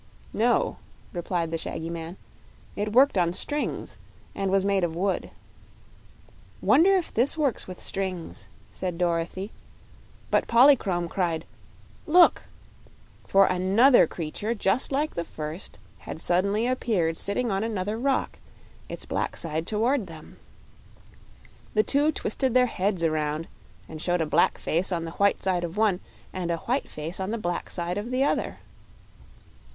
"No," replied the shaggy man; "it worked on strings and was made of wood." "Wonder if this works with strings," said Dorothy; but Polychrome cried "Look!" for another creature just like the first had suddenly appeared sitting on another rock, its black side toward them. The two twisted their heads around and showed a black face on the white side of one and a white face on the black side of the other.